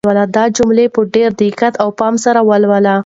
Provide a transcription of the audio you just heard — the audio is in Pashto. دا جملې په ډېر دقت او پام سره ولولئ.